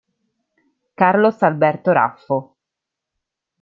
Carlos Alberto Raffo